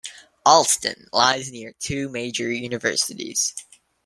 Allston lies near two major universities.